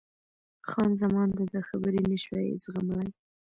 خان زمان د ده خبرې نه شوای زغملای.